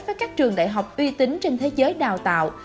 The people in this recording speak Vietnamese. với các trường đại học uy tín trên thế giới đào tạo